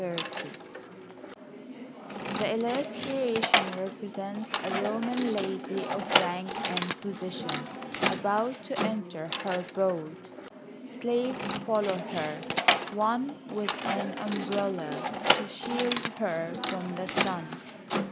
FORTI The illustration represents a Roman lady of rank and posi tion about to enter her boat. Slaves follow her, one with an umbrella to shield her from the sun.